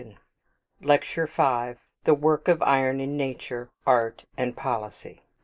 LECTURE V. THE WORK OP IRON, IN NATURE, ART, AND POLICY.